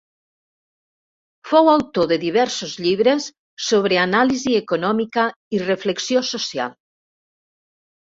Fou autor de diversos llibres sobre anàlisi econòmica i reflexió social.